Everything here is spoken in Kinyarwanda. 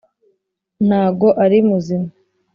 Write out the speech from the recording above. ntago ari muzima.